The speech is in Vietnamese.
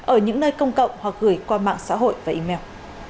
ở những nơi công cộng hoặc gửi qua mạng xã hội và email